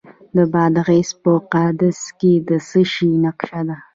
د بادغیس په قادس کې څه شی شته؟